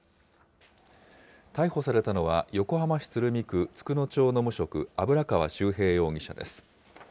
逮捕されたのは、横浜市鶴見区佃野町の無職、油川秀平容疑者です。